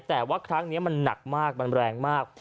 แต่ว่าครั้งนี้มันหนักมากมันแรงมาก